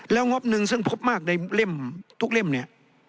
แล้วงบหนึ่งซึ่งพบมากในเล่มทุกเล่มเนี่ย